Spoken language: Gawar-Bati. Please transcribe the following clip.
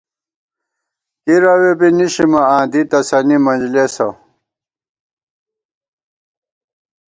کِرَوے بی نِشِمہ آں ، دی تسَنی منجلېسہ